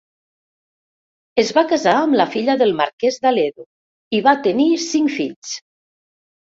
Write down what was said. Es va casar amb la filla del marquès d'Aledo i va tenir cinc fills.